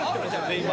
今。